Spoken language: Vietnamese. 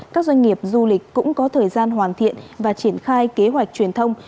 các doanh nghiệp du lịch cũng có thời gian hoàn thiện và triển khai kế hoạch truyền thông